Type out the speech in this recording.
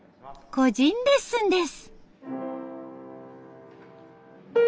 個人レッスンです。